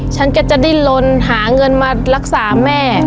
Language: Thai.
ฉันก็จะดิ้นลนหาเงินมารักษาแม่